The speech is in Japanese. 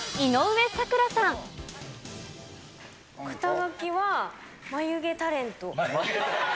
肩書は、眉毛タレント。